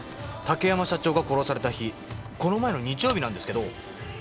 竹山社長が殺された日この前の日曜日なんですけどどこにいました？